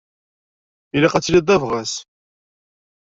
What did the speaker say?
Ilaq ad tiliḍ d abɣas!